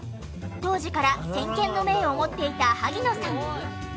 当時から先見の明を持っていた萩野さん。